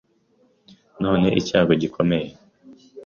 none icyago gikomeye